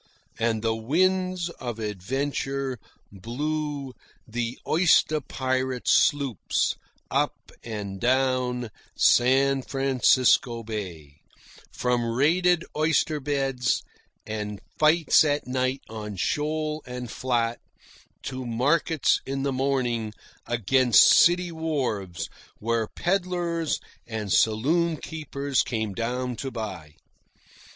And the winds of adventure blew the oyster pirate sloops up and down San Francisco Bay, from raided oyster beds and fights at night on shoal and flat, to markets in the morning against city wharves, where peddlers and saloon keepers came down to buy.